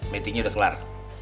meetingnya udah kelar